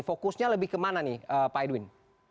fokusnya lebih kemana nih pak edwin